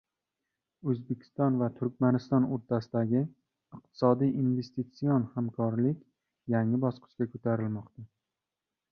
O‘zbekiston va Turkmaniston o‘rtasidagi iqtisodiy-investision hamkorlik yangi bosqichga ko‘tarilmoqda